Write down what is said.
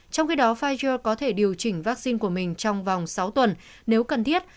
trong khi đó pfijer có thể điều chỉnh vaccine của mình trong vòng sáu tuần nếu cần thiết